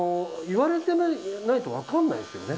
言われてないと、分かんないですよね。